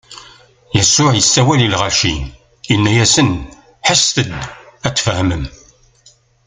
Yasuɛ isawel i lɣaci, inna-asen: Ḥesset-d tfehmem!